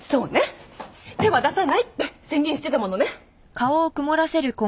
手は出さないって宣言してたものね。